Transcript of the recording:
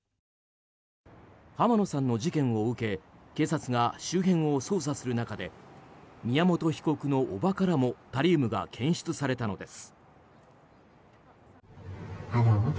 浜野さんの事件を受け警察が周辺を捜査する中で宮本被告の叔母からもタリウムが検出されたのです。